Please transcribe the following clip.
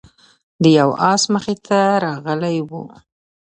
د یو آس مخې ته راغلی و،